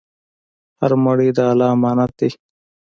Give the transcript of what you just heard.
هر مړی د الله امانت دی.